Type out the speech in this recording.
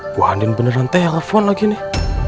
bu andin beneran telepon lagi nih